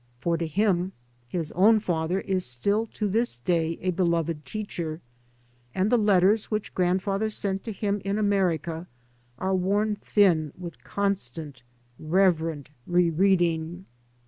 For to him his own father is still to this day a beloved teacher, and the letters which grandfather sent to him in America are worn thin with constant reverent re reading.